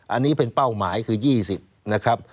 อันนี้เป็นเป้าหมายคือ๒๐นะครับ